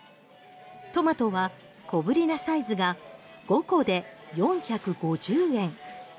トマトは小ぶりなサイズが５個で４５０円。